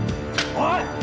おい！